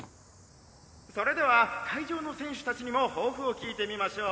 「それでは会場の選手たちにも抱負を聞いてみましょう」。